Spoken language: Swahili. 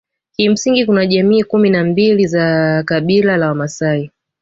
Kimsingi kuna jamii kumi na mbili za kabila la Wamasai